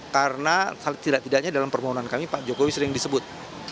karena tidak tidaknya dalam permohonan kami pak jokowi sering disebut